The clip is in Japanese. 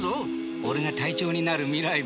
俺が隊長になる未来も。